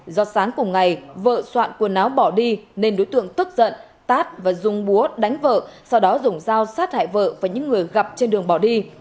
do sáng cùng ngày vợ soạn quần áo bỏ đi nên đối tượng tức giận tát và dùng búa đánh vợ sau đó dùng dao sát hại vợ và những người gặp trên đường bỏ đi